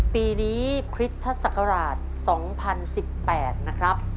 ปีนี้คริสตศักราช๒๐๑๘นะครับ